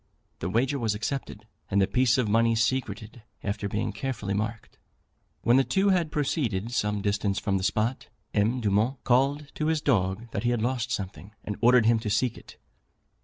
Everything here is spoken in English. The wager was accepted, and the piece of money secreted, after being carefully marked. When the two had proceeded some distance from the spot, M. Dumont called to his dog that he had lost something, and ordered him to seek it.